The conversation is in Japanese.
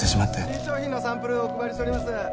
新商品のサンプルお配りしております。